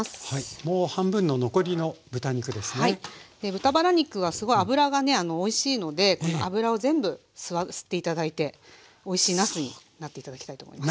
豚バラ肉はすごい脂がねおいしいのでこの脂を全部吸って頂いておいしいなすになって頂きたいと思います。